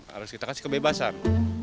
harus kita kasih kebebasan